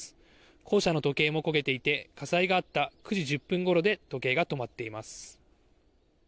校舎の時計も焦げていて火災があった９時１０分ごろで時計が止まっています。